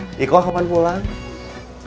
mendengarkan keluhan keluhan kaum dua pak